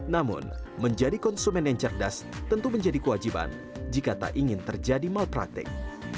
namun menjadi konsumen yang cerdas tentu menjadi kewajiban jika tak ingin terjadi malpraktik